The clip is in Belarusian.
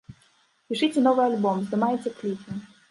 Пішыце новы альбом, здымаеце кліпы?